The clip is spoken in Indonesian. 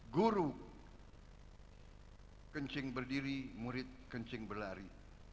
guru kencing berdiri murid kencing berlari